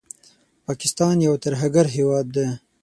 پاکستان یو ترهګر هېواد دی